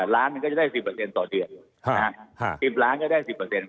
ล้านมันก็จะได้๑๐ต่อเดือน๑๐ล้านก็ได้๑๐